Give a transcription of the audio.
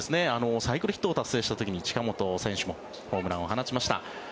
サイクルヒットを達成した時に近本選手もホームランを放ちました。